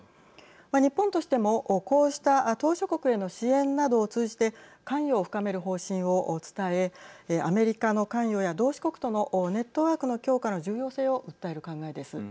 日本としても、こうした島しょ国への支援などを通じて関与を深める方針を伝えアメリカの関与や同士国とのネットワークの強化の重要性を訴える考えです。